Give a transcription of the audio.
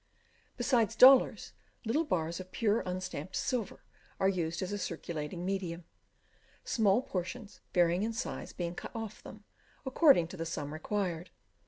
Besides dollars, little bars of pure unstamped silver are used as a circulating medium; small portions, varying in size, being cut off them, according to the sum required.